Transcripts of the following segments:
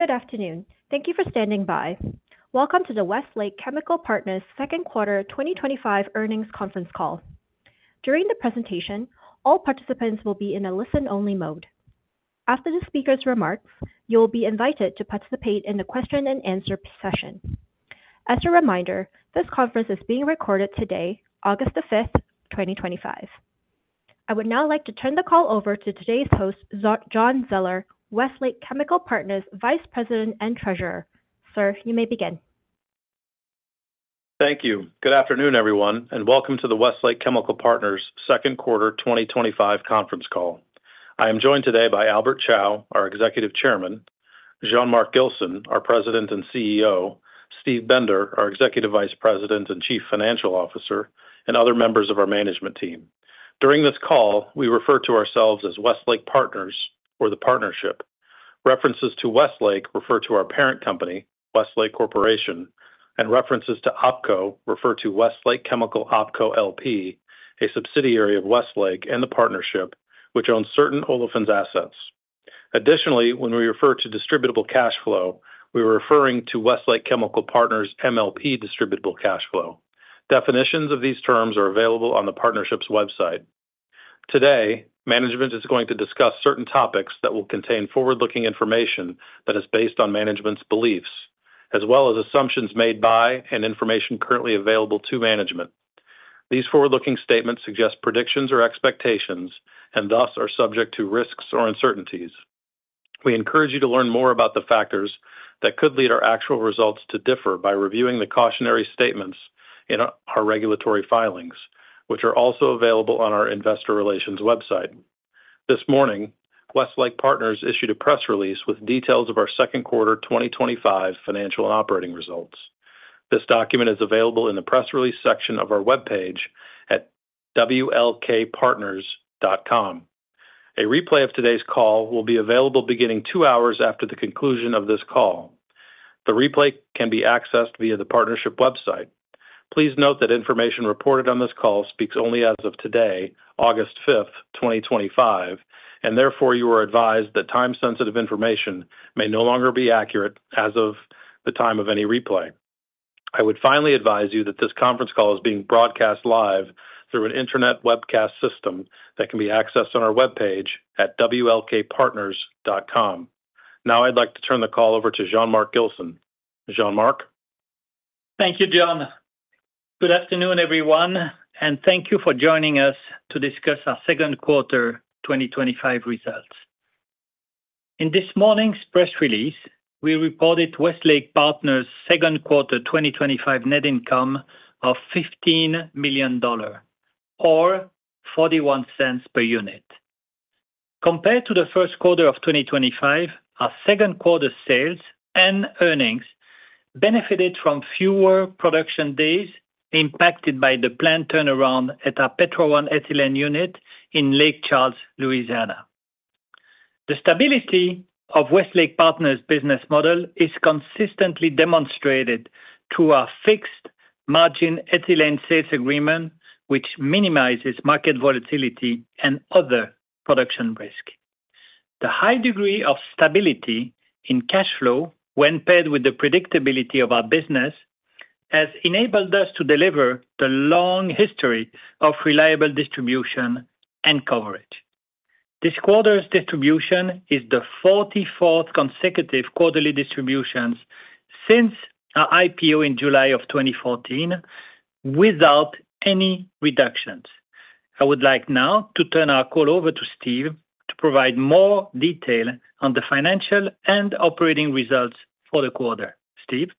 Good afternoon. Thank you for standing by. Welcome to the Westlake Chemical Partners' Second Quarter 2025 Earnings Conference Call. During the presentation, all participants will be in a listen-only mode. After the speaker's remarks, you will be invited to participate in the question-and-answer session. As a reminder, this conference is being recorded today, August 5th, 2025. I would now like to turn the call over to today's host, John Zoeller, Westlake Chemical Partners' Vice President and Treasurer. Sir, you may begin. Thank you. Good afternoon, everyone, and welcome to the Westlake Chemical Partners' Second Quarter 2025 Conference Call. I am joined today by Albert Chao, our Executive Chairman, Jean-Marc Gilson, our President and CEO, Steve Bender, our Executive Vice President and Chief Financial Officer, and other members of our management team. During this call, we refer to ourselves as Westlake Partners or the partnership. References to Westlake refer to our parent company, Westlake Corporation, and references to OpCo refer to Westlake Chemical OpCo LP, a subsidiary of Westlake and the partnership, which owns certain olefin assets. Additionally, when we refer to distributable cash flow, we are referring to Westlake Chemical Partners' MLP distributable cash flow. Definitions of these terms are available on the partnership's website. Today, management is going to discuss certain topics that will contain forward-looking information that is based on management's beliefs, as well as assumptions made by and information currently available to management. These forward-looking statements suggest predictions or expectations and thus are subject to risks or uncertainties. We encourage you to learn more about the factors that could lead our actual results to differ by reviewing the cautionary statements in our regulatory filings, which are also available on our investor relations website. This morning, Westlake Partners issued a press release with details of our second quarter 2025 financial and operating results. This document is available in the press release section of our webpage at wlkpartners.com. A replay of today's call will be available beginning two hours after the conclusion of this call. The replay can be accessed via the partnership website. Please note that information reported on this call speaks only as of today, August 5th, 2025, and therefore you are advised that time-sensitive information may no longer be accurate as of the time of any replay. I would finally advise you that this conference call is being broadcast live through an internet webcast system that can be accessed on our webpage at wlkpartners.com. Now I'd like to turn the call over to Jean-Marc Gilson. Jean-Marc? Thank you, John. Good afternoon, everyone, and thank you for joining us to discuss our second quarter 2025 results. In this morning's press release, we reported Westlake Partners' second quarter 2025 net income of $15 million, or $0.41 per unit. Compared to the first quarter of 2025, our second quarter sales and earnings benefited from fewer production days impacted by the planned turnaround at our Petro-1 ethylene unit in Lake Charles, Louisiana. The stability of Westlake Partners' business model is consistently demonstrated through our fixed margin ethylene sales agreement, which minimizes market volatility and other production risks. The high degree of stability in cash flow, when paired with the predictability of our business, has enabled us to deliver the long history of reliable distribution and coverage. This quarter's distribution is the 44th consecutive quarterly distribution since our IPO in July of 2014 without any reductions. I would like now to turn our call over to Steve to provide more detail on the financial and operating results for the quarter. Steve.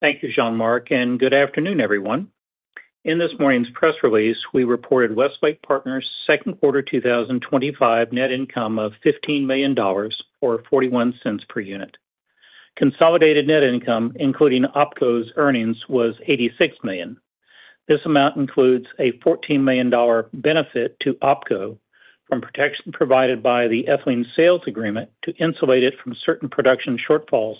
Thank you, Jean-Marc. Good afternoon, everyone. In this morning's press release, we reported Westlake Partners' second quarter 2025 net income of $15 million, or $0.41 per unit. Consolidated net income, including OpCo's earnings, was $86 million. This amount includes a $14 million benefit to OpCo from protection provided by the ethylene sales agreement to insulate it from certain production shortfalls,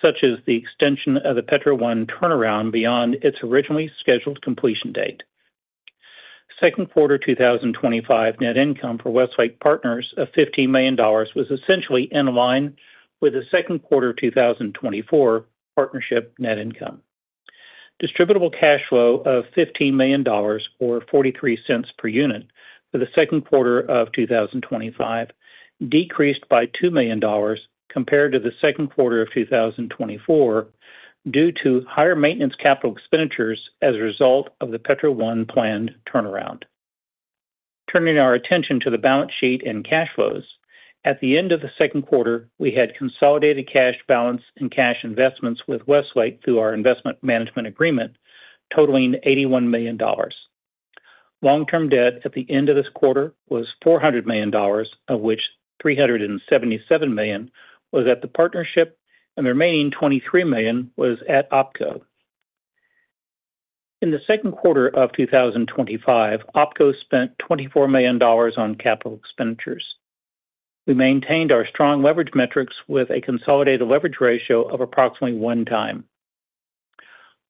such as the extension of the Petro-1 ethylene unit turnaround beyond its originally scheduled completion date. Second quarter 2025 net income for Westlake Partners of $15 million was essentially in line with the second quarter 2024 partnership net income. Distributable cash flow of $15 million, or $0.43 per unit, for the second quarter of 2025 decreased by $2 million compared to the second quarter of 2024 due to higher maintenance capital expenditures as a result of the Petro-1 planned turnaround. Turning our attention to the balance sheet and cash flows, at the end of the second quarter, we had consolidated cash balance and cash investments with Westlake through our investment management agreement totaling $81 million. Long-term debt at the end of this quarter was $400 million, of which $377 million was at the partnership, and the remaining $23 million was at OpCo. In the second quarter of 2025, OpCo spent $24 million on capital expenditures. We maintained our strong leverage metrics with a consolidated leverage ratio of approximately one time.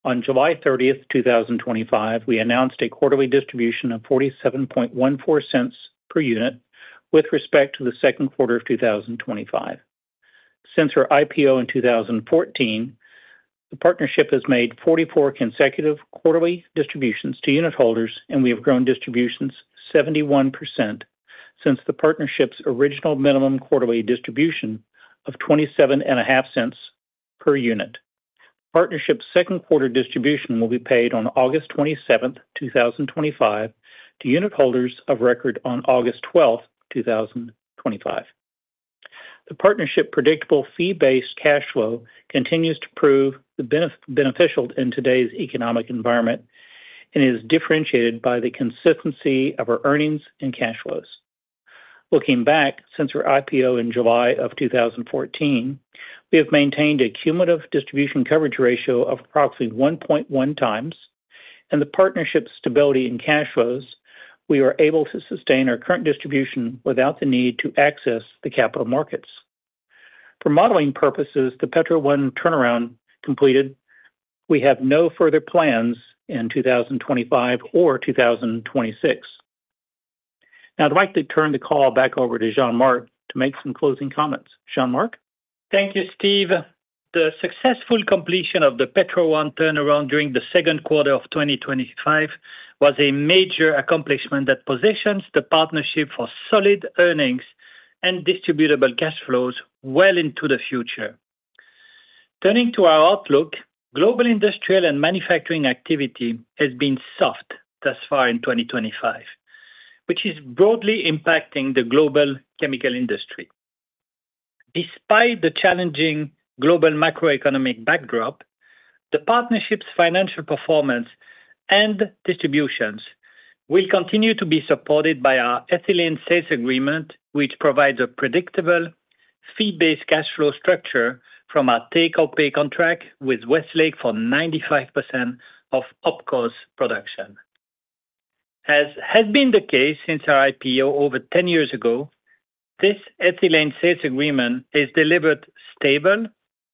On July 30th, 2025, we announced a quarterly distribution of $0.4714 per unit with respect to the second quarter of 2025. Since our IPO in 2014, the partnership has made 44 consecutive quarterly distributions to unitholders, and we have grown distributions 71% since the partnership's original minimum quarterly distribution of $0.275 per unit. The partnership's second-quarter distribution will be paid on August 27th, 2025, to unitholders of record on August 12th, 2025. The partnership's predictable fee-based cash flow continues to prove beneficial in today's economic environment and is differentiated by the consistency of our earnings and cash flows. Looking back, since our IPO in July of 2014, we have maintained a cumulative distribution coverage ratio of approximately 1.1x, and with the partnership's stability in cash flows, we are able to sustain our current distribution without the need to access the capital markets. For modeling purposes, the Petro-1 ethylene unit turnaround completed. We have no further plans in 2025 or 2026. Now I'd like to turn the call back over to Jean-Marc to make some closing comments. Jean-Marc? Thank you, Steve. The successful completion of the Petro-1 turnaround during the second quarter of 2025 was a major accomplishment that positions the partnership for solid earnings and distributable cash flows well into the future. Turning to our outlook, global industrial and manufacturing activity has been soft thus far in 2025, which is broadly impacting the global chemical industry. Despite the challenging global macroeconomic backdrop, the partnership's financial performance and distributions will continue to be supported by our ethylene sales agreement, which provides a predictable fee-based cash flow structure from our take-home pay contract with Westlake for 95% of OpCo's production. As had been the case since our IPO over 10 years ago, this ethylene sales agreement has delivered stable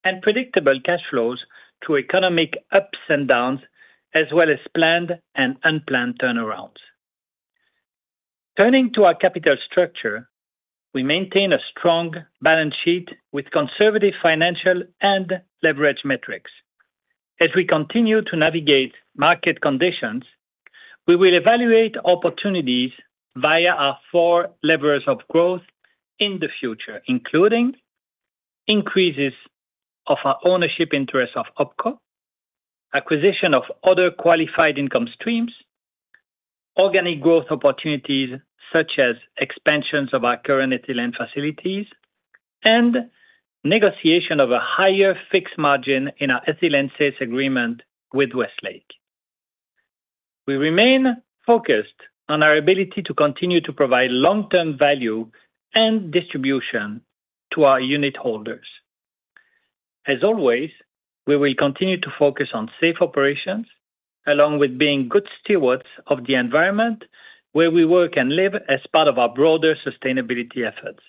and predictable cash flows through economic ups and downs, as well as planned and unplanned turnarounds. Turning to our capital structure, we maintain a strong balance sheet with conservative financial and leverage metrics. As we continue to navigate market conditions, we will evaluate opportunities via our four levers of growth in the future, including increases of our ownership interest of OpCo, acquisition of other qualified income streams, organic growth opportunities such as expansions of our current ethylene facilities, and negotiation of a higher fixed margin in our ethylene sales agreement with Westlake. We remain focused on our ability to continue to provide long-term value and distribution to our unitholders. As always, we will continue to focus on safe operations, along with being good stewards of the environment where we work and live as part of our broader sustainability efforts.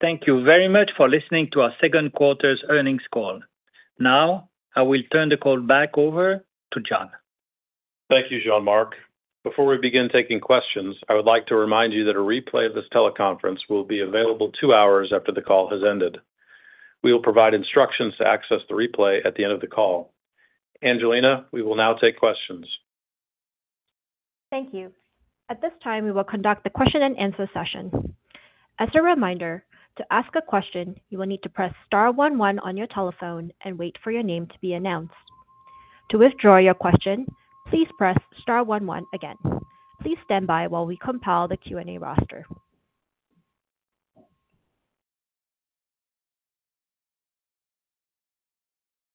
Thank you very much for listening to our Second Quarter's Earnings Call. Now, I will turn the call back over to John. Thank you, Jean-Marc. Before we begin taking questions, I would like to remind you that a replay of this teleconference will be available two hours after the call has ended. We will provide instructions to access the replay at the end of the call. Angelina, we will now take questions. Thank you. At this time, we will conduct the question-and-answer session. As a reminder, to ask a question, you will need to press star one one on your telephone and wait for your name to be announced. To withdraw your question, please press star one one again. Please stand by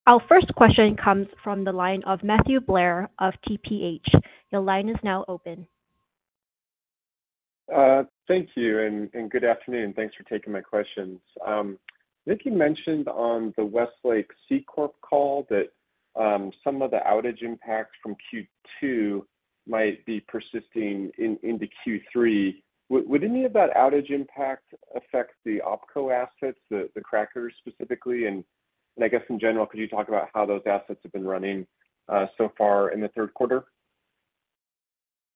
while we compile the Q&A roster. Our first question comes from the line of Matthew Blair of TPH. The line is now open. Thank you and good afternoon. Thanks for taking my questions. I think you mentioned on the Westlake call that some of the outage impacts from Q2 might be persisting into Q3. Would any of that outage impact affect the OpCo assets, the crackers specifically? Could you talk about how those assets have been running so far in the third quarter?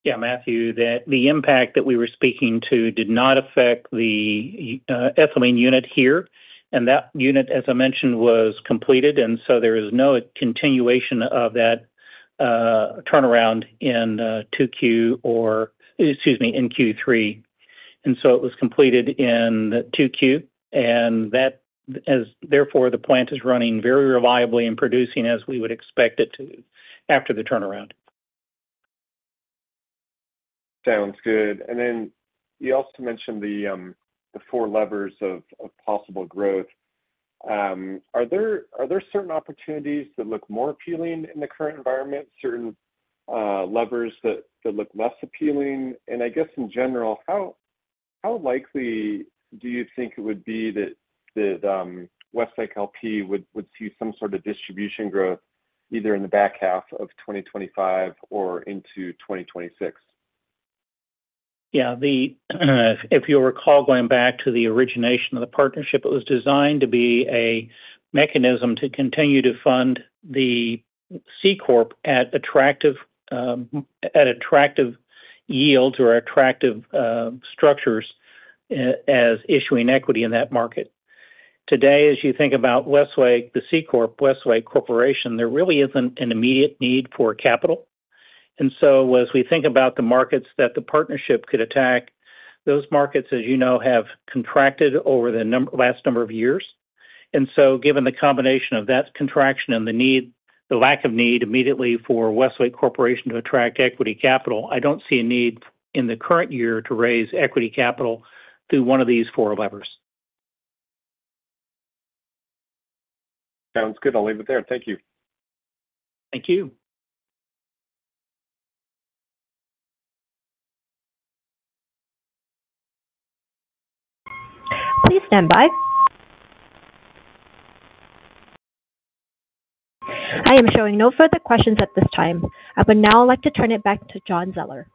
Yeah, Matthew, the impact that we were speaking to did not affect the ethylene unit here. That unit, as I mentioned, was completed. There is no continuation of that turnaround in Q3. It was completed in 2Q. Therefore, the plant is running very reliably and producing as we would expect it to after the turnaround. Sounds good. You also mentioned the four levers of possible growth. Are there certain opportunities that look more appealing in the current environment, certain levers that look less appealing? I guess in general, how likely do you think it would be that Westlake LP would see some sort of distribution growth either in the back half of 2025 or into 2026? Yeah, if you'll recall, going back to the origination of the partnership, it was designed to be a mechanism to continue to fund the C Corp at attractive yields or attractive structures as issuing equity in that market. Today, as you think about Westlake, the C Corp, Westlake Corporation, there really isn't an immediate need for capital. As we think about the markets that the partnership could attack, those markets, as you know, have contracted over the last number of years. Given the combination of that contraction and the lack of need immediately for Westlake Corporation to attract equity capital, I don't see a need in the current year to raise equity capital through one of these four levers. Sounds good. I'll leave it there. Thank you. Thank you. Please stand by. I am showing no further questions at this time. I would now like to turn it back to John Zoeller.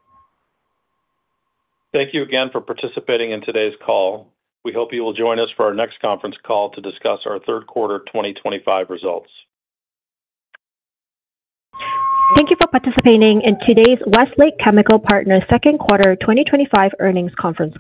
Thank you again for participating in today's call. We hope you will join us for our next conference call to discuss our third quarter 2025 results. Thank you for participating in today's Westlake Chemical Partners' Second Quarter 2025 Earnings Conference Call.